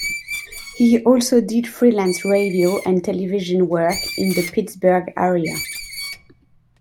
He also did freelance radio and television work in the Pittsburgh area.